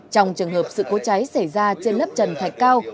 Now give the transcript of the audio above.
trong trường hợp sự cố cháy xảy ra trên lớp trần thạch cao